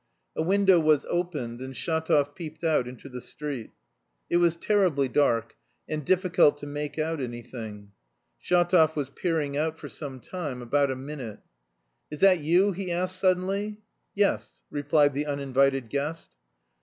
A window was opened and Shatov peeped out into the street. It was terribly dark, and difficult to make out anything. Shatov was peering out for some time, about a minute. "Is that you?" he asked suddenly. "Yes," replied the uninvited guest.